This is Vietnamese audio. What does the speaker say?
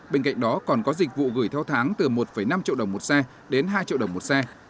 bên cạnh đó còn có dịch vụ gửi theo tháng từ một năm triệu đồng một xe đến hai triệu đồng một xe